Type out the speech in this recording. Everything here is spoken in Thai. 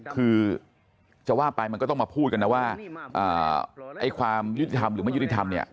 คือจะว่าไปมันก็ต้องมาพูดกันนะว่าความยุติธรรมหรือไม่ยุติธรรมเนี่ย